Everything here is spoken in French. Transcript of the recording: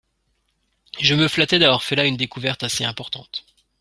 Je me flattais d'avoir fait la une découverte assez importante.